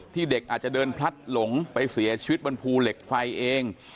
เด็กอาจจะเดินพลัดหลงไปเสียชีวิตบนภูเหล็กไฟเอง